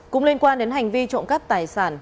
cũng liên quan đến hành vi trộm cắp tài sản